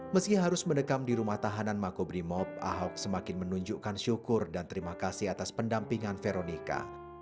meski harus mendekam di rumah tahanan makobrimob ahok semakin menunjukkan syukur dan terima kasih atas pendampingan veronica